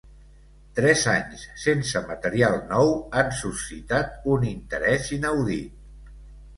Tres anys sense material nou han suscitat un interès inaudit.